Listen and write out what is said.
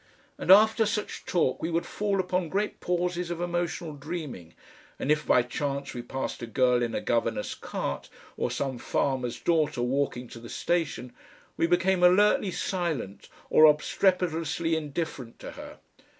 And after such talk we would fall upon great pauses of emotional dreaming, and if by chance we passed a girl in a governess cart, or some farmer's daughter walking to the station, we became alertly silent or obstreperously indifferent to her.